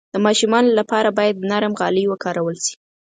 د ماشومانو لپاره باید نرم غالۍ وکارول شي.